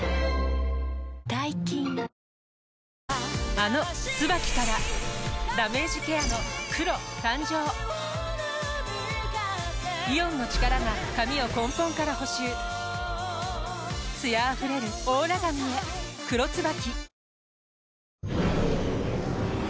あの「ＴＳＵＢＡＫＩ」からダメージケアの黒誕生イオンの力が髪を根本から補修艶あふれるオーラ髪へ「黒ＴＳＵＢＡＫＩ」